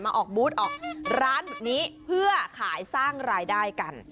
ออกบูธออกร้านแบบนี้เพื่อขายสร้างรายได้กัน